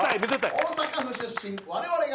大阪府出身我々が。